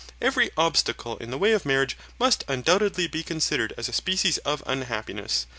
Every obstacle in the way of marriage must undoubtedly be considered as a species of unhappiness.